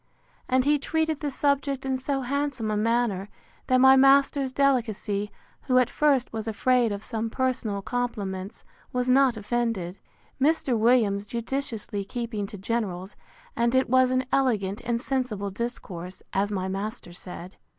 And he treated the subject in so handsome a manner, that my master's delicacy, who, at first, was afraid of some personal compliments, was not offended. Mr. Williams judiciously keeping to generals; and it was an elegant and sensible discourse, as my master said.